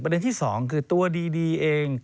ประเด็นที่สองคือตัวดีเอง